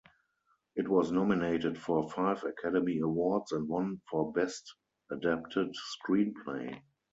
It was nominated for five Academy Awards and won for Best Adapted Screenplay.